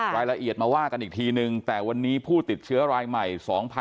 รายละเอียดมาว่ากันอีกทีนึงแต่วันนี้ผู้ติดเชื้อรายใหม่๒๕๖๒